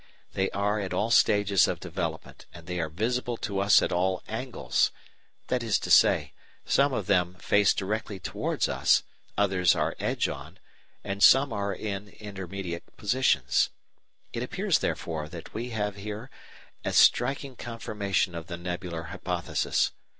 They are at all stages of development, and they are visible to us at all angles that is to say, some of them face directly towards us, others are edge on, and some are in intermediate positions. It appears, therefore, that we have here a striking confirmation of the nebular hypothesis.